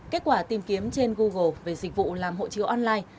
kết quả tìm kiếm trên google về dịch vụ làm hộ chiếu online